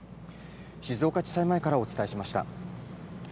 静岡地裁前からお伝えしました。